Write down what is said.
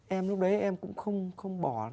em lúc đấy em cũng không bỏ